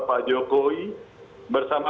pak jokowi bersama